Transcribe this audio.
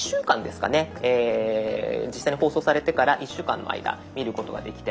実際に放送されてから１週間の間見ることができて。